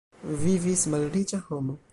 Vivis malriĉa homo.